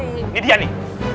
ini dia nih